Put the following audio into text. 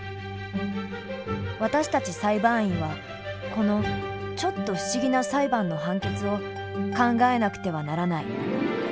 私たち裁判員はこのちょっと不思議な裁判の判決を考えなくてはならない。